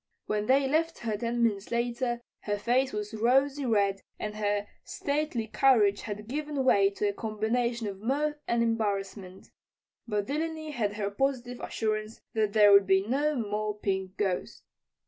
When they left her ten minutes later her face was rosy red and her stately carriage had given way to a combination of mirth and embarrassment. But Delany had her positive assurance that there would be no more Pink Ghost.